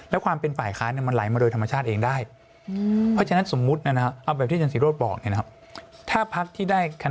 แล้วความเป็นฝ่ายค้านมันไหลมาโดยธรรมชาติเองได้